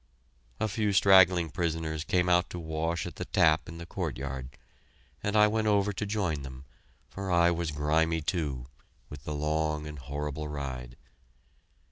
A few straggling prisoners came out to wash at the tap in the courtyard, and I went over to join them, for I was grimy, too, with the long and horrible ride.